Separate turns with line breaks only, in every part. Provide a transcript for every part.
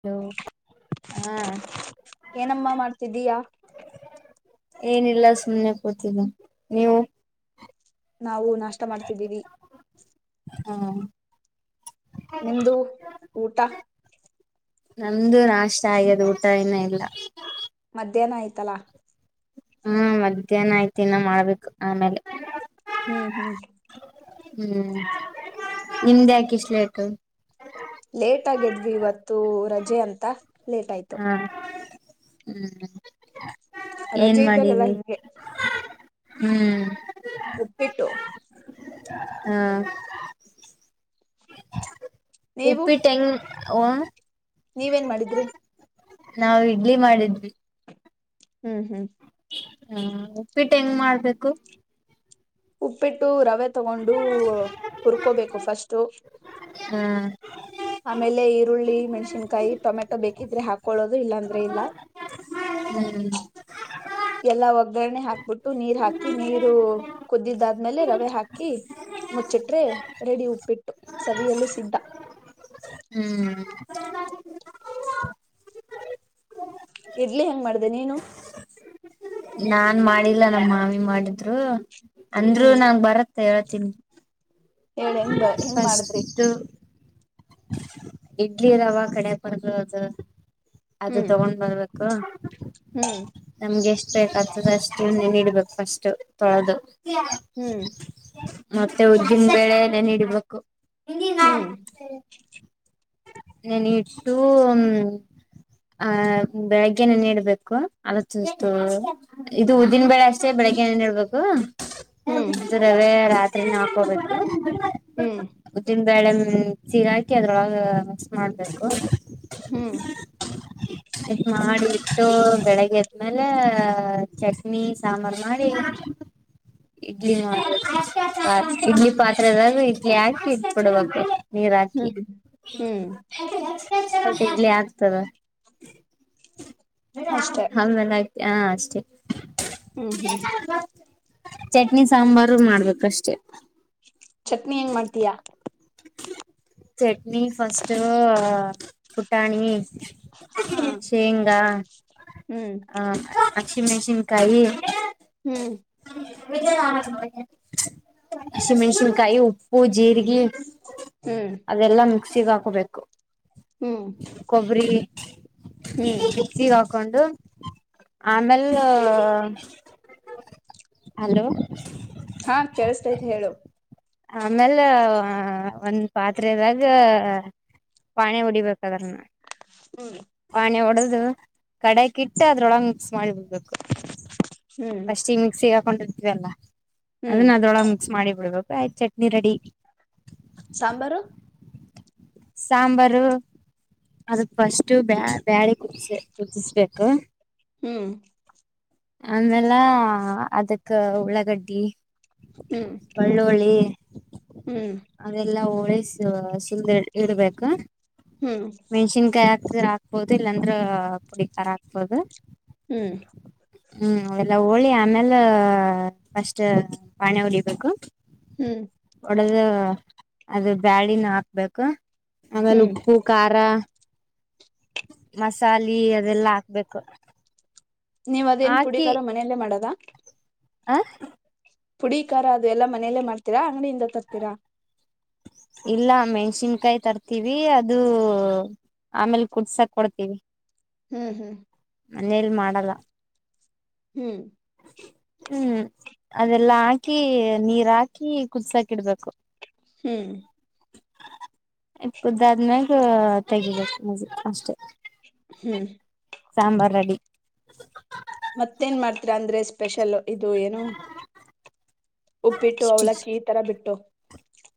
Hello ಹಾ
ಏನಮ್ಮಾ ಮಾಡ್ತಿದ್ದೀಯಾ?
ಏನಿಲ್ಲ ಸುಮ್ನೆ ಕೂತಿದಿನಿ, ನೀವು?
ನಾವು ನಾಷ್ಟ ಮಾಡ್ತಿದ್ದೀವಿ.
ಆವ್.
ನಿಮ್ದು, ಊಟ?
ನಂದು ನಾಷ್ಟ ಆಗ್ಯದ್ ಊಟ ಇನ್ನ ಇಲ್ಲ.
ಮಧ್ಯಾಹ್ನ ಆಯ್ತಲ್ಲಾ?
ಹ್ಮು ಮಧ್ಯಾಹ್ನ ಆಯ್ತ್ ಇನ್ನ ಮಾಡ್ಬೇಕು ಆಮೇಲೆ
ಹ್ಮ್ ಹ್ಮ್
ಹ್ಮ್ ನಿಮ್ದ್ಯಾಕ್ ಇಷ್ಟ್ ಲೇಟು?
ಲೇಟಾಗ್ ಎದ್ವಿ ಇವತ್ತೂ ರಜೆ ಅಂತ. ಲೇಟ್ ಆಯ್ತು
ಹಾ. ಹ್ಮ್ [unintelligible] ಏನ್
ರಜೆ ಇದ್ದಾಗೆಲ್ಲ
ಮಾಡಿದ್ರಿ
ಹಿಂಗೆ.
ಹ್ಮ್
ಉಪ್ಪಿಟ್ಟು
ಹ್ಮ
ನೀವು
ಉಪ್ಪಿಟ್ ಹೆಂಗ್ ಅವ್ನ
ನೀವೇನ್ ಮಾಡಿದ್ರಿ.
ನಾವ್ ಇಡ್ಲಿ ಮಾಡಿದ್ವಿ.
ಹ್ಮ್ ಹ್ಮ್
ಹ್ಮ್ ಉಪ್ಪಿಟ್ ಹೆಂಗ್ ಮಾಡ್ಬೇಕು.
ಉಪ್ಪಿಟ್ಟು ರವೆ ತಗೊಂಡು ಹುರ್ಕೋಬೇಕು ಫಸ್ ತು
ಹಾ
ಆಮೇಲೆ ಈರುಳ್ಳಿ ಮೆಣಸಿನಕಾಯಿ ಟೊಮೆಟೊ ಬೇಕಿದ್ರೆ ಹಾಕೊಳ್ಳೋದು ಇಲ್ಲಾಂದ್ರೆ ಇಲ್ಲ
[unintelligible] ಹ್ಮ
ಎಲ್ಲಾ ಒಗ್ಗರಣೆ ಹಾಕ್ಬಿಟ್ಟು ನೀರ್ ಹಾಕಿ ನೀರು ಕುದ್ದಿದ್ದಾದ್ಮೇಲೆ ರವೆ ಹಾಕಿ ಮುಚ್ಚಿಟ್ರೆ ರೆಡಿ ಉಪ್ಪಿಟ್ಟು ಸವಿಯಲ್ಲೂ ಸ್ಧ
ಹ್ಮ್
ಇಡ್ಲಿ ಹೆಂಗ ಮಾಡ್ದ ನೀನು
ನಾನ್ ಮಾಡಿಲ್ಲ ನಮ್ಮ ಮಾಮಿ ಮಾಡಿದ್ರು ಅಂದ್ರರು
ಹ್ಮ್
ನಾ ಬರತ್ತ ಹೇಳ್ತೀನಿ
ಹೇಳ ಹೆಂಗ್ ಬ
[unintelligible]
ಹೆಂಗ್
ಫಸ್ಟ್
ಮಾಡಿದ್ರಿ
ಇಡ್ಲಿರಾವ ಕಡೆ ಬರ್ ಅದು [unintelligible] ಅದು ತಗೊಂಡ್ ಬಂದಬೇಕ [unintelligible] ಹಾ
ನೀ [unintelligible]
ನಮಗೆ ಎಷ್ಟು ಬೇಕಾಗತದೆ ಅಷ್ಟು ಇನ್ನ ನೀಡಡ್ಬೇಕು ಫಸ್ಟ್ ತೊಳೆದು
ಹ್ಮ್
ಮತ್ತೆ ಉದ್ದಿನ ಬೇಳೆ ನೇನೀಡಿಬೇಕು ಇ ನ
ಹ್ಮ್
ನನ ಇಟ್ಟು ಆ ಬೆಳಗ್ಗೆ ನೇನೀ ಇಡ್ಬೇಕು ಅದ ಚುಸ್ತು [unintelligible] ಇದು ಉದಿನ ಬೇಳೆ ಅಷ್ಟೇ ಬೆಳಿಗ್ಗೆಏನ್ ಇಡ್ಬೇಕು
ಹ್ಮ್
ಅದು ರವೆ ರಾತ್ [unintelligible] ತ್ತನ ಹಾಕೋಬೇಕು
ಹ್ಮ್
ಉದ್ದಿನ ಬೇಳೆ [unintelligible] ಚೀರ ಹಾಕಿ ಅದ್ರೊಳಗೆ ಮಾಡ್ಬೇಕು
ಹ್ಮ್
ಮಾಡಿ ಇಟ್ಟು ಬೆಳಗ್ಗೆದ್ಮೇಲೆ ಚಟ್ನಿ ಸಾಂಬಾರ್ ಮಾಡಿ ಇಡ್ಲಿ [unintelligible] ಇಡ್ಲಿ ಪಾತ್ರೆದಾಗೂ ಇಡ್ಲಿ ಹಾಕಿ ಎಟ್ಬಿಡಬೇಕು ನೀರಾಕಿ
ಹ್ಮ್ ಹ್ಮ್
ಟ್ಲಿ [unintelligible] ಆಗ್ತದ
ಅಷ್ಟೆ
ಆ [unintelligible] ಮೇಲೆ ಆಯ್ತು ಹ ಅಷ್ಟೇ
ಹ್ಮ್ ಹ್ಮ್
ಚಟ್ನಿ ಸಾಂಬಾರು ಮಾಡ್ಬೇಕಷ್ಟೇ
ಚಟ್ನಿ ಹೆಂಗ್ ಮಾಡ್ತೀಯಾ
ಸ ಚಿಟ್ [unintelligible] ನೀ ಫಸ್ಟ್ ಕುುಟಾಣ
ಹಾ
ಸೇಂಗಾ
ಹ್ಮ್
ಹ [unintelligible] ಹಸಿ ಮೆಣ್ಸಿನ್ ಕಾಯಿ
ಹ್ಮ್
[unintelligible] ಹಸಿಮೆಣಸಿನಕಾಯಿ ಉ ಪ್ಪು ಜಿರಿಗಿ
ಹ್ಮ್
ಮಿಕ್ಸಿಗ್ ಹಾಕೋಬೇಕು.
ಹ್ಮ್.
ಕೊಬ್ಬರಿ
ಹ್ಮ್
ಮಿಕ್ಸಿಗ್ ಹಾ ಕಂಡು ಆಮೇಲೆ, ಹಲೋ
ಹಾ ಕೇಳ್ಸ್ ತೈತ್ ಹೇಳು.
ಆಮೇಲೆ ಆ ಒಂದ್ ಪಾತ್ರೆದಾಗ ಪಾಣಿ ಹೊಡಿಬೇಕ್ ಅದ್ರನ್ನ.
[unintelligible]
ಪಾಣಿ ಒಡ್ದು, ಕಡ್ಯಾಕಿಟ್ ಅದ್ರೊಳಗ್ ಮಿಕ್ಸ್ ಮಾಡ್ಬಿಡ್ಬೇಕು.
ಹ್ಮ್
ಫಷ್ಟಿಗ್ ಮಿಕ್ಸಿಗ್ ಕೊಂಡಿರ್ತೀವಲ್ಲ
ಹ್ಮ್
ಅದನ್ ಅದ್ರೊಳಗ್ ಮಿಕ್ಸ್ ಮಾಡಿ ಬಿಡ್ಬೇಕ್ ಕಾಯ್ ಚಟ್ನಿ ರೆಡಿ.
ಸಾಂಬಾರು
ಸಾಂಬಾರು, ಅದಕ್ ಫಷ್ಟು ಬ್ಯಾ ಬ್ಯಾಳಿ ಕುದ್ಸೆ ಕುದಸ್ಬೇಕು. ಕ.
ಹ್ಮ್
ಆಮೇಲ್ಲ ಅದಕ್ಕ ಉಳ್ಳಾಗಡ್ಡಿ
ಹ್ಮ್
ಬಳ್ಳುಳ್ಳಿ
ಹ್ಮ್
ಅದೆಲ್ಲಾ ಹೊ ರೈಸು ಸುಂದರ್ ಇಡ್ಬೇಕು
ಹ್ಮ್
ಮೆಣ್ಸಿನ್ ಕಾಯ್ ಹಾಕ್ತಿರಾ. ಹಾಕ್ಬೋದು ಇಲ್ಲಾಂದ್ರೆ ಪುಡಿ ಖಾರ ಹಾಕ್ಬೋದು.
ಹ್ಮ್
ಹ್ಮ್ ಅವಲ್ಲ ಹೋಳಿ ಆಮೇಲೆ ಫಸ್ಟ್ ಪಾಣಿ ಉರಿಬೇಕು.
ಹ್ಮ್
[unintelligible] ಅದು ಬ್ಯಾಳಿನ ಹಾಕ್ಬೇ ಕ್ಕ ಆಮೇಲ್
ಹ್ಮ್
ಉಪ್ಪು ಖಾರ ಮಸಾಲಿ ಅದೆಲ್ಲಾ ಹಾಕ್ಬೇಕು.
ನೀವ್ ಅದೇನ್ ಪುಡಿ
ಹಾಕಿ
ಕಾರ ಮನೆಲ್ಲೇ ಮಾಡೋದ.
ಆ
ಪುಡಿ ಖಾರ ಅದು ಎಲ್ಲ ಮನೇಲ್ಲೇ ಮಾಡ್ತೀರಾ ಅಂಗಡಿಯಿಂದ ತರ್ತೀರ?
ಇಲ್ಲ ಮೆಣಸಿನಕಾಯಿ ತರ್ತೀವಿ ಅದು ಆಮೇಲ್ ಕುಟ್ಸಕ್ ಕೊಡ್ತೀವಿ.
ಹ್ಮ್ ಹ್ಮ್
ಮನೇಲಿ ಮಾಡಲ್ಲ
ಹ್ಮ್
ಹ್ಮ್ ಅವೆಲ್ಲ ಹಾಕಿ ನೀರ್ ಹಾಕಿ ಕುದ್ಸಕಿಡ್ಬೇಕು.
ಹ್ಮ್
ಇ ಕುದ್ದಾದ್ಮ್ಯಾಗೆ ತೆಗಿಬೇಕು ಮಜಿ ಅಷ್ಟೆ.
ಹ್ಮ್
ಸಾಂಬಾರ್ ರೆಡಿ
ಮತ್ತೇನ್ ಮಾಡ್ತೀರ ಅಂದ್ರೆ ಸ್ಪೆಷಲ್. ಇದು ಏನು ಉಪ್ಪಿಟ್ಟು ಅವಲಕ್ಕಿ ಈ ತರ ಬಿಟ್ಟು.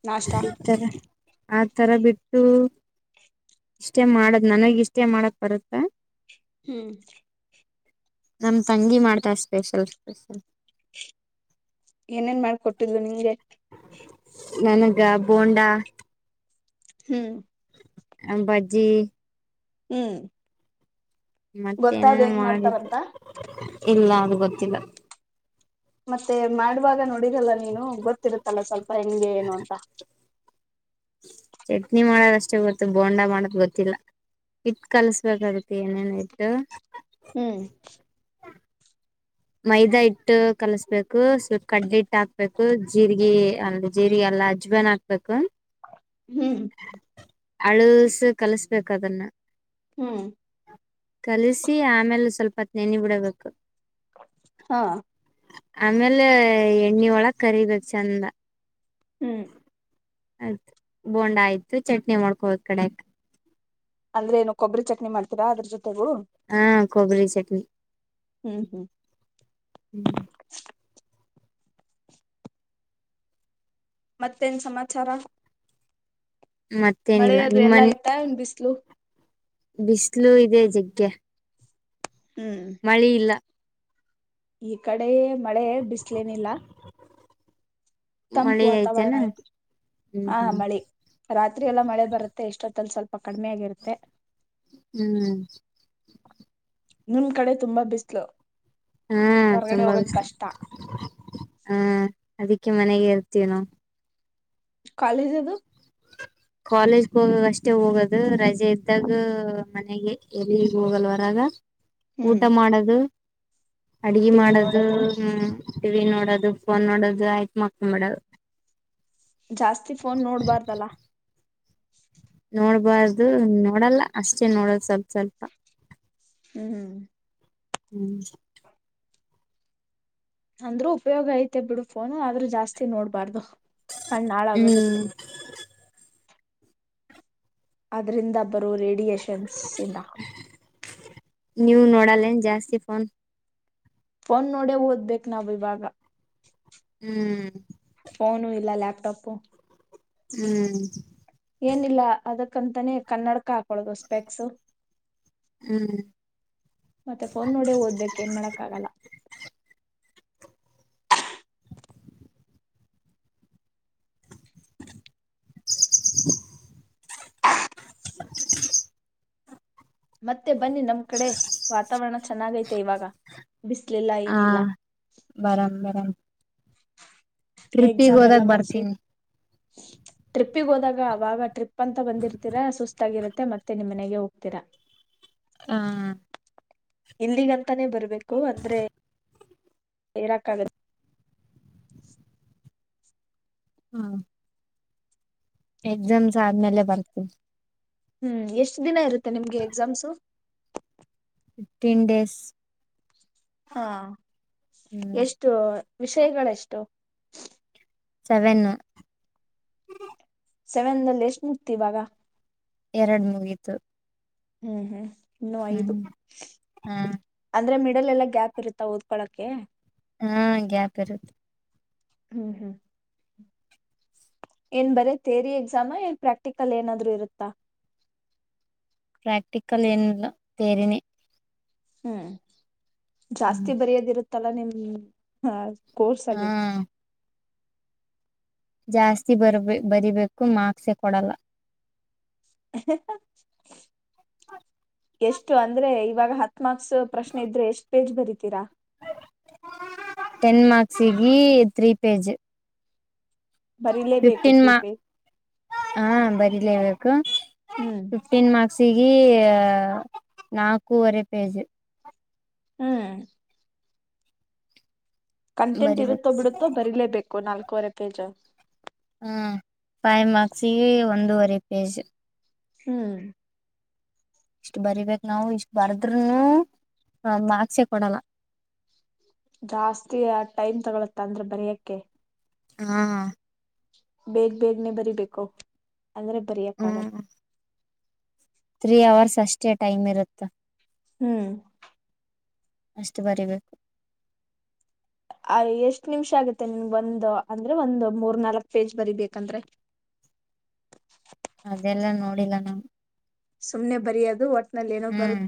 ನಾಷ್ಟಾ
[unintelligible] ಆ ತರ ಬಿಟ್ಟು ಇಷ್ಟೇ ಮಾಡದ್ ನನಗ್ ಇಷ್ಟೇ ಮಾಡಕ್ ಬರುತ್ತೆ.
ಹ್ಮ್
ನಮ ತಂಗಿ ಮಾಡ್ತಾಳ್ ಸ್ಪೆಷಲ್ ಸ್ಪೆಷಲ್.
ಏನೇನ್ ಮಾಡಿಕೊಟ್ಟಿದ್ಲು ನಿಮ್ಗೆ. [inaudible]
ನನಗ ಬೋಂಡ
ಹ್ಮ್
ಅ ಬಜ್ಜಿ
ಹ್ಮ್. ಗೊತ್ತಾದ್
ಮತ್ತೇನಾನ
ಹೆಂಗ್
ಮಾಡಿದ್,
ಮಾಡ್ತಾರಂತ
ಇಲ್ಲ ಗೊತ್ತಿಲ್ಲ.
ಮತ್ತೆ ಮಾಡುವಾಗ ನೋಡಿರಲ್ಲ ನೀನು ಗೊತ್ತಿರುತ್ತಲ್ಲ ಸ್ವಲ್ಪ ಹೆಂಗೆ ಏನು ಅಂತ.
ಚಟ್ನಿ ಮಾಡದಷ್ಟೇ ಗೊತ್ತು ಬೋಂಡಾ ಮಾಡದ್ ಗೊತ್ತಿಲ್ಲ, ಹಿಟ್ ಕಲ್ಸ್ಬೇಕಾಗತ್ತೆ ಏನೇನೊ ಹಿಟ್ಟು
ಹ್ಮ್.
ಮೈದಾ ಹಿಟ್ಟು ಕಲಸ್ಬೇಕು ಸ್ವಲ್ಪ್ ಕಡ್ಲಿ ಹಿಟ್ಟು ಹಾಕ್ಬೇಕು ಜೀರ್ಗಿ ಅಲ್ ಜೀರಿಗೆ ಅಲ್ಲಾ ಅಜ್ವಾಯಿನ್ ಹಾಕ್ಬೇಕು.
ಹ್ಮ್.
ಅಳೂಸ್ ಕಲಸ್ಬೇಕ್ ಅದನ್ನ.
ಹ್ಮ್.
ಕಲಸಿ ಆಮೇಲ್ ಸ್ವಲ್ಪ್ ಹೊತ್ ನೆನಿ ಬಿಡಬೇಕು.
ಹಾ.
ಆಮೇಲೆ ಎಣ್ಣಿ ಒಳಗ್ ಕರಿಬೇಕ್ ಸಣ್ದಾ.
ಹ್ಮು.
ಆಯ್ತ್ ಬೋಂಡ ಆಯ್ತು ಚಟ್ನಿ ಮಾಡ್ಕೋಬೇಕ್ ಕಡೆಗ್
ಅಂದ್ರೇನು ಕೊಬ್ರಿ ಚಟ್ನಿ ಮಾಡ್
ಹಾ ಕೊಬ್ರಿ ಚಟ್ನಿ.
ಹ್ಮುಹು.
ಹ್ಮ.
ಮತ್ತೇನ್ ಸಮಾಚಾರ ಮಳೆ
ಮತ್ತೇನಿಲ್ಲ
ಅದು
ನಿಮ್ಮ
ಎಲ್ಲಾ ಆಯ್ತಾ ಏನ್ ಬಿಸ್ಲು
[unintelligible] ಬಿಸ್ಲು ಇದೆ ಜಗ್ ತೆ
ಹ್ಮ್
ಮಳಿ ಇಲ್ಲ
ಈ ಕಡೆ ಮಳೆ ಬಿಸ್ಲೇನಿಲ್ಲ
ಮಳಿ
ತಂಪು
ಐತಿ ಎನ
ವಾತಾವರಣ ಇತ್ತು
[unintelligible] ಹ್ಮ್
ಹಾ
ಹ್ಮ್
ಮಳಿ ರಾತ್ರಿ ಎಲ್ಲ ಮಳೆ ಬರುತ್ತೆ ಎಷ್ಟೊತ್ತಲ್ಲಿ ಸ್ವಲ್ಪ ಕಡಿಮೆ ಆಗಿರುತ್ತೆ
ಹ್ಮ್
ನಿಮ್ ಕಡೆ ತುಂಬಾ ಬಿಸ್ಲು
ಹ್ಮ್
ಹೊರಗಡೆ
ತುಂಬ
ಹೋಗಕ್
ಬಿಸ್ಲು
ಕಷ್ಟ
[unintelligible] ಹ್ಮ್ ಅದಿಕ್ಕೆ ಮನೆಗೆ ಇರ್ತವಿ ನಾವ್
ಕಾಲೇಜದು
ಕಾಲೇಜ್ಗೆ ಹೋಗಾಗ ಅಷ್ಟೇ ಹೋಗೋದು ರಜೆ ಇದ್ದಾಗ ಮನೆಗೆ ಎಲ್ಲಿಗ್ ಹೋಗಲ್ವರಗ ಊಟ
ಹ್ಮ್
ಮಾಡದು ಅಡಿಗೆ
ಟಿವಿ
ಮಾಡದು
ನೋಡೋದು
ಹ್ಮ ಟಿವಿ ನೋಡೋದು ಫೋನ್ ನೋಡೋದು ಆಯ್ತ್ ಮಕ್ಕೊಂಡಬಿಡದು.
ಜಾಸ್ತಿ ಫೋನ್ ನೋಡ್ಬಾರ್ದಲ್ಲ [inaudible]
ನೋಡ್ಬಾರ್ದು ನೋಡಲ್ಲ ಅಷ್ಟೇ ನೋಡೋದು ಸ್ವಲ್ಪ್ ಸ್ವಲ್ಪ.
ಹ್ಮ್ ಹ್ಮ
ಹ್ಮ್
ಅಂದ್ರೂ ಉಪಯೋಗ ಐತೆ ಬಿಡು ಫೋನು ಆದ್ರೂ ಜಾಸ್ತಿ ನೋಡ್ಬಾರ್ದು. ಕಣ್ಣ್ ಹಳಾಗ್
ಹ್ಮ್
ಹೊಗುತ್ತೆ. ಆದ್ರಿಂದ ಬರೋ ರೇಡಿ ಡಿಯೆಷನ್ಸ್ ಇಂದ
ನೀವು ನೋಡಲೆನ್ ಜಾಸ್ತಿ ಫೋನ್.
ಫೋನ್ ನೋಡ ಓದ್ಬೇಕ್ ನಾವ್ ಇವಾಗ
ಹ್ಮ್
ಫೋನು ಇಲ್ಲ ಲ್ಯಾಪ್ಟಾಪು
ಹ್ಮ್
ಏನಿಲ್ಲ ಅದಕ್ಕಂತಾನೇ ಕನ್ನಡಕ ಹಾಕೊಳದು ಸ್ಪೆಕ್ಸು.
ಹ್ಮ್
ಮತ್ತೆ ಫೋನ್ ನೋಡೇ ಓದ್ಬೇಕ್ ಏನ್ ಮಾಡಕ್ ಆಗಲ್ಲ.
[inaudible] [inaudible]
ಮತ್ತೆ ಬನ್ನಿ ನಮ್ ಕಡೆ ವಾತಾವರಣ ಚೆನ್ನಾಗೈತೆ ಇವಾಗ ಬಿಸ್ಲಿಲ್ಲ
ಹ
ಏನಿಲ್ಲ.
ಬರಂ ಬರಂ ಟ್ರಿಪ್ಪಿಗೆ ಹೋದಾಗ ಬರ್ತೀನಿ
ಟ್ರಿಪ್ಪಿಗ ಹೋದಾಗ ಅವಾಗ ಟ್ರಿಪ್ ಪ್ಪ ಅಂತ ಬಂದಿರ್ತೀರ ಸುಸ್ತಾಗಿರತ್ ಮತ್ತೆ ಮತ್ತೆ ನಿಮ್ ಮನೆಗೆ ಹೋಗ್ತೀರ
ಹಾ
ಇಲ್ಲಿಗಂತನೇ ಬರ್ಬೆಕ್ ಕು ಅಂದ್ರೆ ಇರಕಾಗ [unintelligible]
ಹಾ ಎಕ್ಸಾಮ್ಸ್ ಆದ್ಮೇಲೆ ಬರ್ತೀವಿ
ಹ್ಮ್ ಎಷ್ಟ್ ದಿನ ಇರುತ್ತೆ ನಿಮ್ಗೆ ಎಕ್ಸಾಮ್ಸು [unintelligible]
ಪಿಫ್ಟೀನ್ ಡೇಸ್
ಹ [unintelligible]
ಹ್ಮ್
ಎಷ್ಟು ವಿಷಯಗಳೆಷ್ಟು
ಸೆವೆನ್
ಸೆವೆನ್ ಅಲ್ಲಿ ಎಷ್ಟು ಮುಗ್ತಿ ಇವಾಗ
ಎರಡ್ ಮುಗಿತು.
ಹ್ಮ್ ಹ್ಮ್ ಇನ್ನು ಐದು [unintelligible]
ಹ
ಅಂದ್ರೆ ಮಿಡ್ ಡೆಲ್ ಎಲ್ಲಾ ಗ್ಯಾಪ್ ಇರುತ್ತ ಓದಕೊಳ್ಳೋಕೆ.
ಹ್ಮ್ ಗ್ಯಾಪ್ ಇರುತ್
ಹ್ಮ್ ಹ್ಮ್ ಏನ್ ಬರಿ ಥಿಯರಿ ಎಕ್ಸಾಮಾ ಏನ್ ಪ್ರಾಕ್ಟಿಕಲ್ ಏನಾದ್ರೂ ಇರುತ್ತ.
ಪ್ರ್ಯಾಕ್ಟಿಕಲ್ ಏನಿಲ್ಲಾ ಥಿಯರಿನೇ
ಹ್ಮ್ ಜಾಸ್ತಿ ಬರೆಯೋದಿರುತ್ ತ್ತಲ್ಲ ನಿಮ ಹಾ
ಹಾ
ಸಲ್ಲಿ
ಜಾಸ್ತಿ ಬರ್ ಬರಿಬೇಕು ಮಾರ್ಕ್ಸೇ ಕೊಡಲ್ಲ.
ಅಹ್ ಹ್ ಹ ಎಷ್ಟು ಅಂದ್ರೆ ಇವಾಗ ಹತ್ ಮಾರ್ಕ್ಸ್ ಪ್ರಶ್ನೆ ಇದ್ರೆ ಎಷ್ಟ್ ಪೇಜ್ ಬರಿತೀರ?
ಟೆನ್ ಮಾರ್ಕ್ಸ್ ಈಗಿ ತ್ರೀ ಪೇಜ್.
ಬರಿಲೇಬೇಕು
ಫಿಫ್ಟಿನ್
ತ್ರೀ
ಮಾ
ಪೇಜ್
ಹ್ಮ್ ಬರೀ ಲೇಬೇಕು
ಹ್ಮ್
ಫಿಫ್ಟೀನ್ ಮಾರ್ಕ್ಸ್ ಸಿಗೇ ನಾಕೂವರೆ ಪೇಜ್.
ಹ್ಮ್ ಕಂಟೆಂಟ್ ಇರುತ್ತೋ
ಬರಿಬೇಕು
ಬಿಡುತ್ತೋ ಬರಲೇಬೇಕು ನಾಲ್ ಕೊರತೇಜು
ಹ ಫೈವ್ ಮಾರ್ಕ್ಸಿಗೆ ಒಂದೂವರೆ ಪೇಜು
ಹ್ಮ್
ಇಷ್ಟು ಬರಿಬೇಕ್ ನಾವು ಇಷ್ಟ್ ಬರ್ದ್ರುನು ಮಾರ್ಕ್ಸೆ ಕೊಡಲ್ಲ.
ಜಾಸ್ತಿ ಯಾದ್ ಟೈಮ್ ತಗೊಳತ್ ಅಂದ್ರೆ ಬರಿಯಕ್ಕೆ.
ಹಾ
ಬೇಗ್ ಬೇಗ್ನೆ ಬರಿಬೇಕು. ಅಂದ್ರೆ ಬರಿಯಕ್ ಆಗ
ತ್ರೀ ಅವರ್ಸ್ ಅಷ್ಟೇ ಟೈಮ್ ಇರುತ್ತೆ.
ಹ್ಮ್
ಅಷ್ಟ್ ಬರಿಬೇಕು.
ಅ ಎಷ್ಟ್ ನಿಮಿಷ ಆಗತ್ತೆ ನಿಮ್ಗ್ ಒಂದು ಅಂದ್ರೆ ಒಂದ್ ಮೂರ್ ನಾಲ್ಕ್ ಪೇಜ್ ಬರಿಬೇಕಂದ್ರೆ.
ಅದೆಲ್ಲ ನೋಡಿಲ್ಲ ನಾನ್
ಸುಮ್ನೆ ಬರಿಯೋದು ಒಟ್
ಹ್ಮ್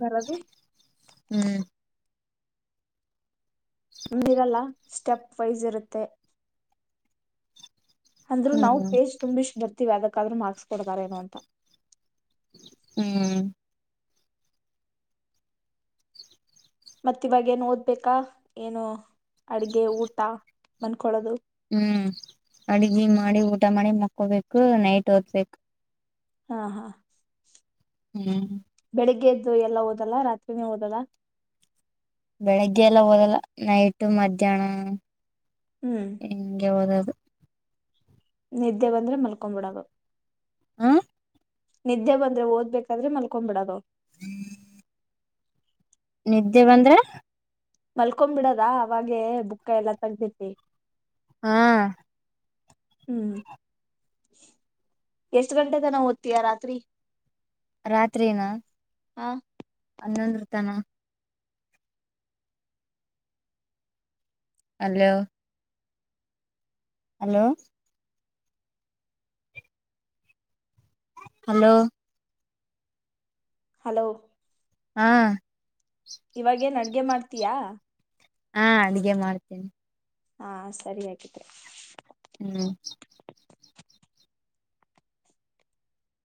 ಹ್ಮ್
ಮಿರಲ್ಲ ಸ್ಟೆಪ್ ವೈಸ್ ಇರುತ್ತೆ. ಅಂದ್ರು ನಾವು
ಹ್ಮ್
ಪೇಜ್ ತುಂಬಿಶ್ ಬರ್ ಅದಕ್ಕಾದ್ರೂ ಮಾರ್ಕ್ಸ್ ಕೊಡ್ತಾರ ಏನು ಅಂತ.
ಹ್ಮ್
ಮತ್ ಇವಾಗೇಏನ್ ಓದ್ಬೇಕಾ ಏನು ಅಡ್ಗೆ ಊಟ ಮನ್ಕಳೋದು
ಹ್ಮ್ ಅಡ್ಗಿ ಮಾಡಿ ಊಟ ಮಾಡಿ ಮಕ್ಕೋಬೇಕು ನೈಟ್ ಓದ್ಬೇಕು
ಹಾ ಹಾ
ಹ್ಮ್
ಬೆಳಿಗ್ಗೆದ್ದು ಎಲ್ಲ ಓದಲ್ಲ ರಾತ್ರಿನ ಓದದ [unintelligible]
ಬೆಳಗ್ಗೆ ಎಲ್ಲ ಹೋದಲ್ಲ ನೈಟ್ ಮಧ್ಯಾಹ್ನ
ಹ್ಮ್
[unintelligible] ಹಿಂಗೆ ಓದೋದು
ನಿದ್ದೆ ಬಂದ್ರೆ ಮಲ್ಕೊಂಡು ಬಿಡದು.
ಹ್ಮ್
ನಿದ್ದೆ ಬಂದ್ರೆ ಓದ್ಬೇಕಾದ್ರೆ ಮಲ್ಕೋ ಬಿಡೋದು.
ನಿದ್ದೆ ಬಂದ್ರೆ
ಮಲ್ಕೊಂಡ್ ಬಿಡೋದ ಅವಾಗೆ ಬುಕ್ ಎಲ್ಲಾ ತಗ್ದಿಟ್ಟಿ
ಹಾ
ಹ್ಮ್ [unintelligible] ಎಷ್ಟ ಗಂಟೆ ತನ ಓದ್ತೀಯಾ ರಾತ್ರಿ
ರಾತ್ರಿನ [unintelligible]
ಹಾ
ಹನ್ನೊಂದ್ರತನ ಅಲೋ ಹಲೋ ಹಲೋ
ಹಲೋ
ಹಾ
ಇವಾಗೇನ್ ಅಡ್ಗೆ ಮಾಡ್ತೀಯಾ.
ಹಾ ಅಡ್ಗೆ ಮಾಡ್ತೀನಿ.
ಹಾ ಸರಿ ಹಾಗಿದ್ರೆ
ಹ್ಮ್